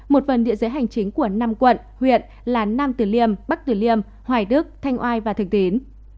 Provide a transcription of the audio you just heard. một phần địa giới hành chính của năm quận huyện là nam từ liêm bắc từ liêm hoài đức thanh oai và thực tín